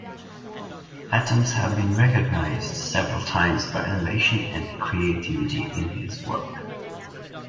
Atoms has been recognized several times for innovation and creativity in his work.